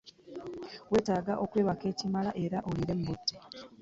Weetaga okwebaka ekimala era oliire mu budde.